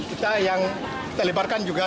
kita yang terlebarkan juga